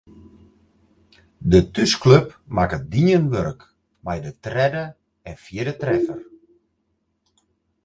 De thúsklup makke dien wurk mei de tredde en fjirde treffer.